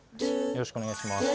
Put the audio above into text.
よろしくお願いします。